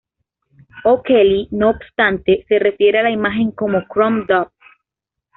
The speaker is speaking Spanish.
O'Kelly, no obstante, se refiere a la imagen como Crom Dubh.